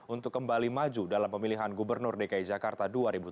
untuk kembali maju dalam pemilihan gubernur dki jakarta dua ribu tujuh belas